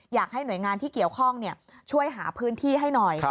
อยากให้หน่วยงานที่เกี่ยวข้องช่วยหาพื้นที่ให้หน่อย